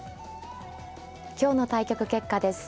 今日の対局結果です。